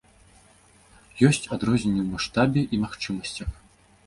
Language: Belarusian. Ёсць адрозненні ў маштабе і магчымасцях.